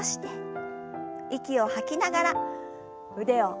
息を吐きながら腕を下ろします。